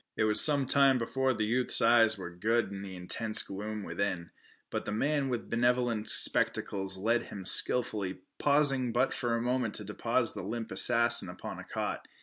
It was some time before the youth's eyes were good in the intense gloom within, but the man with benevolent spectacles led him skilfully, pausing but a moment to deposit the limp assassin upon a cot.